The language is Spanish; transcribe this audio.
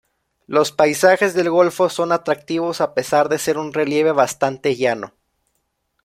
Los paisajes del golfo son atractivos, a pesar de ser un relieve bastante llano.